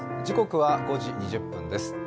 時刻は５時２０分です。